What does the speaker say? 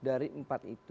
jadi dari empat itu